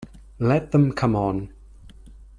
Let them come on.